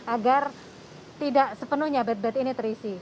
agar tidak sepenuhnya bed bed ini terisi